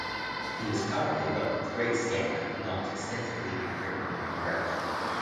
He was powerfully built, with great stamina, and walked extensively in Britain and Europe.